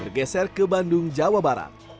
bergeser ke bandung jawa barat